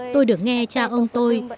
tôi được nghe cha ông tôi